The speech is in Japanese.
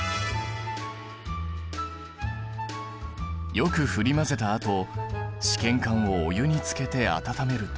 よく振り混ぜたあと試験管をお湯につけて温めると。